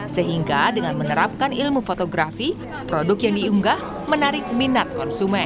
sehingga dengan menerapkan ilmu fotografi produk yang diunggah menarik minat konsumen